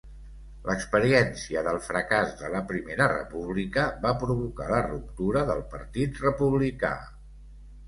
L'experiència del fracàs de la Primera República va provocar la ruptura del Partit Republicà.